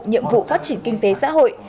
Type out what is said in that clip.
nhiệm vụ phát triển kinh tế xã hội